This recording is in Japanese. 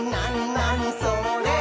なにそれ？」